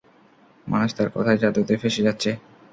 মানুষ তার কথার যাদুতে ফেঁসে যাচ্ছে।